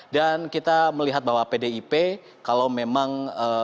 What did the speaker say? dan kita melihat bahwa pdip kalau memang